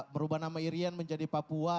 merubah nama irian menjadi papua